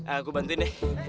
aku bantuin deh